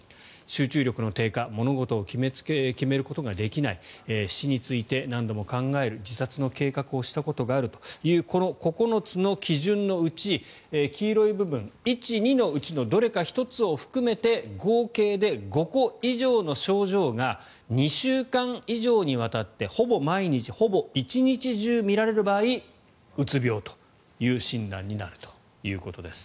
集中力の低下物事を決めることができない死について何度も考える自殺の計画をしたことがあるというこの９つの基準のうち黄色い部分１、２のうちのどれか１つを含めて合計で５個以上の症状が２週間以上にわたってほぼ毎日ほぼ１日中見られる場合うつ病という診断になるということです。